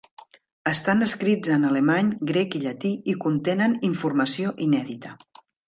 Estan escrits en alemany, grec i llatí i contenen informació inèdita.